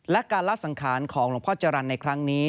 และการละสังขารของหลวงพ่อจรรย์ในครั้งนี้